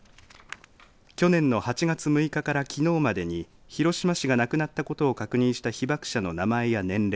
去年の８月６日からきのうまでに広島市が亡くなったことを確認した被爆者の名前や年齢